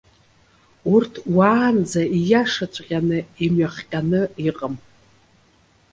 Урҭ уаанӡа ииашаҵәҟьаны имҩахҟьаны иҟам.